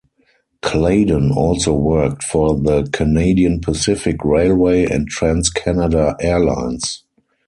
Claydon also worked for the Canadian Pacific Railway and Trans-Canada Airlines.